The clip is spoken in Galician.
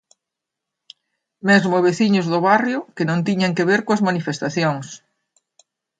Mesmo a veciños do barrio que non tiñan que ver coas manifestacións.